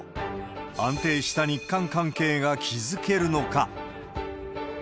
安定した日韓関係が築けるのか。